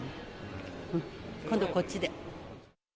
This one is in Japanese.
今度はこっちで。